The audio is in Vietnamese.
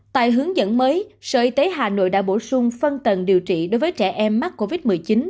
tại hướng dẫn mới sở y tế hà nội đã bổ sung phân tầng điều trị đối với trẻ em mắc covid một mươi chín